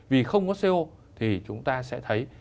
vì không có co thì chúng ta sẽ thấy